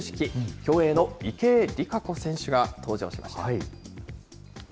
競泳の池江璃花子選手が登場しました。